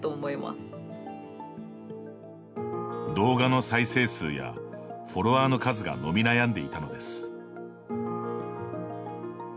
動画の再生数やフォロワーの数が伸び悩んでいたのです。